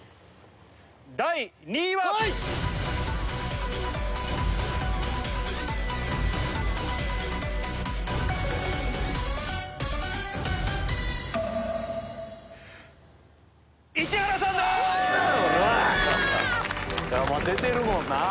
第２位は⁉おらぁ！出てるもんなぁ。